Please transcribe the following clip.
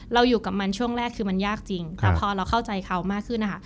เราอยู่กับมันช่วงแรกคือมันยากจริงแต่พอเราเข้าใจเขามากขึ้นนะคะ